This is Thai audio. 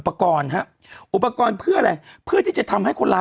ยังไงยังไงยังไงยังไงยังไง